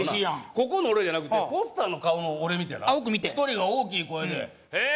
ここの俺じゃなくてポスターの顔の俺見てなあっ奥見て１人が大きい声でへえ